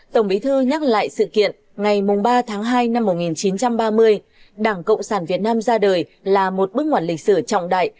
tổng bí thư nhắc lại sự kiện ngày ba tháng hai năm một nghìn chín trăm ba mươi đảng cộng sản việt nam ra đời là một bức ngoặt lịch sử trọng đại